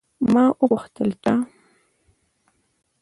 ما وپوښتل، چا؟